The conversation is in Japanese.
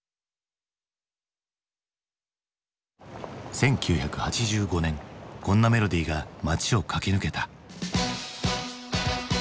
１９８５年こんなメロディーが街を駆け抜けた。